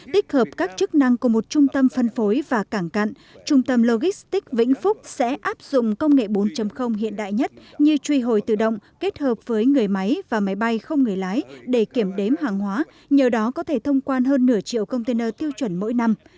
tích hợp các chức năng của một trung tâm phân phối và cảng cạn trung tâm logistics vĩnh phúc sẽ áp dụng công nghệ bốn hiện đại nhất như truy hồi tự động kết hợp với người máy và máy bay không người lái để kiểm đếm hàng hóa nhờ đó có thể thông quan hơn nửa triệu container tiêu chuẩn mỗi năm